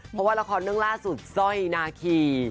เพราะว่าละครเรื่องล่าสุดสร้อยนาคี